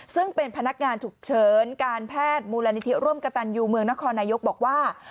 ซึ่งเป็นพนักงานฉุกเฉินการแพทย์มูลนิธิร่วมกระตันยูเมืองนครนายกบอกว่า